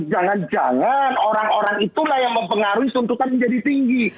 jangan jangan orang orang itulah yang mempengaruhi tuntutan menjadi tinggi